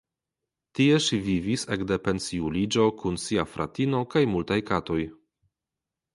Tie ŝi vivis ekde pensiuliĝo kun sia fratino kaj multaj katoj.